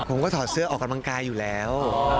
ถอดเสื้อออกกำลังกายอยู่แล้ว